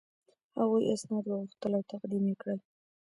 هغوی اسناد وغوښتل او تقدیم یې کړل.